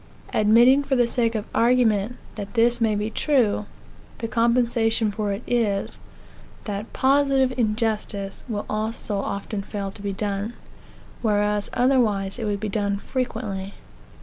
Admitting, for the sake of the argument, that this may be true, the compensation for it is, that positive injustice will also often fail to be done; whereas otherwise it would be done frequently.